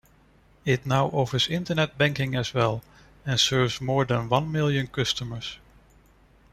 It now offers internet banking as well and serves more than one million customers.